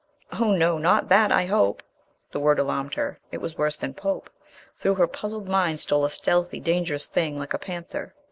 "Oh, no! Not that, I hope!" The word alarmed her. It was worse than pope. Through her puzzled mind stole a stealthy, dangerous thing ... like a panther.